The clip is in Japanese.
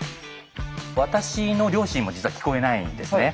私の両親も実は聞こえないんですね。